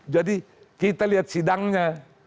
jadi kita lihat sidangnya